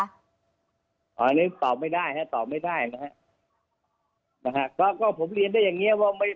อันนี้ตอบไม่ได้ฮะตอบไม่ได้นะฮะนะฮะก็ก็ผมเรียนได้อย่างเงี้ว่าไม่